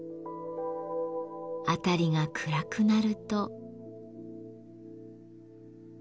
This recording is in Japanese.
辺りが暗くなると。